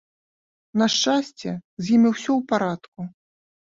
На шчасце, з імі ўсё ў парадку.